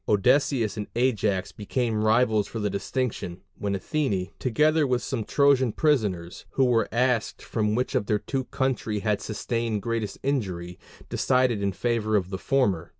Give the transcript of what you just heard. Odysseus and Ajax became rivals for the distinction, when Athene, together with some Trojan prisoners, who were asked from which of the two their country had sustained greatest injury, decided in favor of the former.